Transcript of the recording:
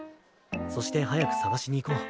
そして早く捜しに行こう。